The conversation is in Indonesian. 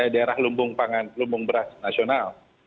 daerah lumbung pangan lumbung beras nasional